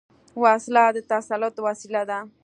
وسله د تسلط وسيله ده